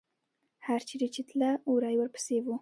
هر چېرې چې تله، وری ورپسې و.